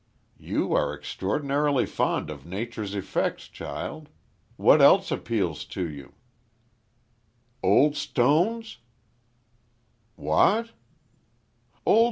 "You are extraordinarily fond of Nature's effects, child. What else appeals to you?" "Old stones?" "What?"